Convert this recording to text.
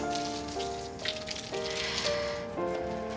aku mau kita sekedar balik